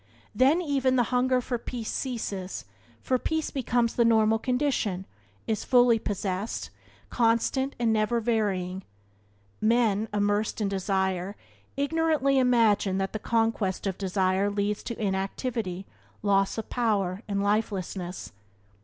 Then even the hunger for peace ceases, for peace becomes the normal condition, is fully possessed, constant and never varying. Men, immersed in desire, ignorantly imagine that the conquest of desire, leads to inactivity, loss of power, and lifelessness.